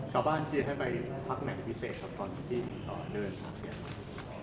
ชาวบ้านที่จะให้ไปพักไหนพิเศษตอนที่ต่อเดิน